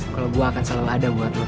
kalau gue akan selalu ada bersama kalian